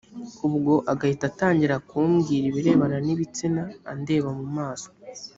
ubwo agahita atangira kumbwira ibirebana n’ibitsina andeba mu maso